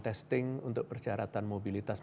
testing untuk persyaratan mobilitas